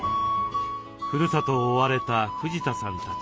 ふるさとを追われた藤田さんたち。